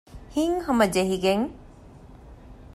ހިތްހަމަ ޖެހިގެން